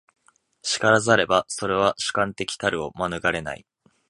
然らざれば、それは主観的たるを免れない。